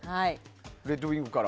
レッドウィングから。